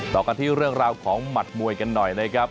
ต่อกันที่เรื่องราวของหมัดมวยกันหน่อยนะครับ